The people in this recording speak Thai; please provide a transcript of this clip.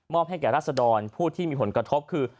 ให้แก่ราศดรผู้ที่มีผลกระทบคือ